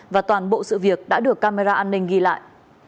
và toàn bộ sự việc đã được camera an ninh ghi lại